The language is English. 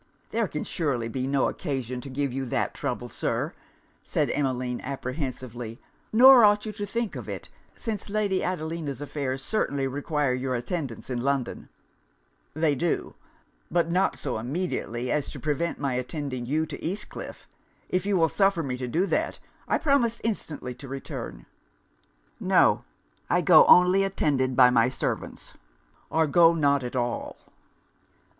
'There can surely be no occasion to give you that trouble, Sir,' said Emmeline apprehensively; 'nor ought you to think of it, since Lady Adelina's affairs certainly require your attendance in London.' 'They do; but not so immediately as to prevent my attending you to East Cliff. If you will suffer me to do that, I promise instantly to return.' 'No. I go only attended by my servants or go not at all.'